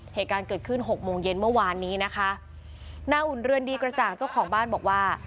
เหตุการณ์เกิดขึ้นหกโมงเย็นเมื่อวานนี้นะคะนางอุ่นเรือนดีกระจ่างเจ้าของบ้านบอกว่า